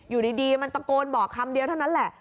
อยู่ดีมันตะโกนบอกคำเดียวเท่านั้นแหละ